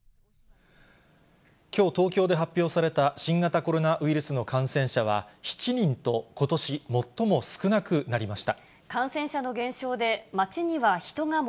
きょう東京で発表された新型コロナウイルスの感染者は７人と、ことし最も少なくなりました。